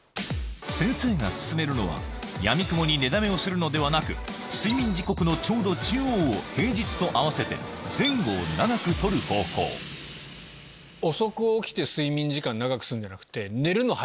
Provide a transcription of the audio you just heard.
先生が勧めるのはやみくもに寝だめをするのではなく睡眠時刻のちょうど中央を平日と合わせて前後を長く取る方法そういう考え方ですね。